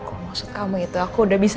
kok maksud kamu itu aku udah bisa